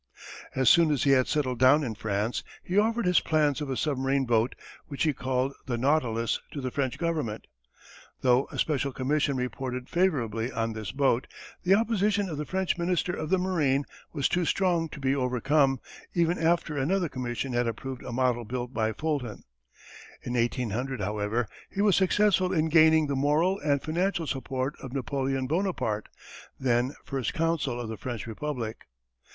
As soon as he had settled down in France, he offered his plans of a submarine boat which he called the Nautilus to the French Government. Though a special commission reported favourably on this boat, the opposition of the French Minister of the Marine was too strong to be overcome, even after another commission had approved a model built by Fulton. In 1800, however, he was successful in gaining the moral and financial support of Napoleon Bonaparte, then First Consul of the French Republic.